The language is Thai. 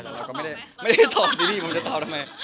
แล้วเราก็ไม่ได้ไม่ได้ตอบซีรีส์ผมจะตอบทำไม